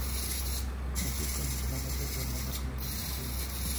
Francisco anunció la muerte de su hermana como un accidente.